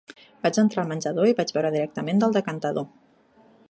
Vaig entrar al menjador i vaig beure directament del decantador.